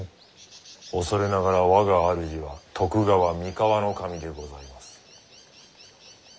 恐れながら我が主は徳川三河守でございます。